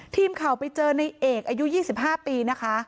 ทีมข่าวไปเจอในเอกอายุ๒๕ปีนะคะ